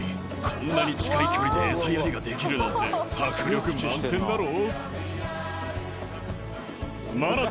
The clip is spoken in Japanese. こんなに近い距離でエサやりができるなんて迫力満点だろ？